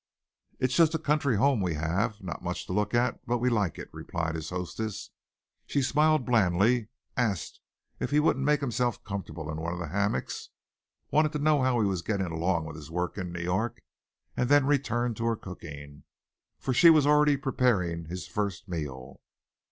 "It's just a country home we have, not much to look at, but we like it," replied his hostess. She smiled blandly, asked if he wouldn't make himself comfortable in one of the hammocks, wanted to know how he was getting along with his work in New York and then returned to her cooking, for she was already preparing his first meal.